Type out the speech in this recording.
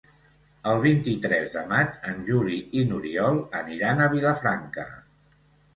El vint-i-tres de maig en Juli i n'Oriol aniran a Vilafranca.